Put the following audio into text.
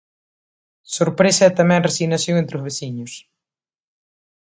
Sorpresa e tamén resignación entre os veciños.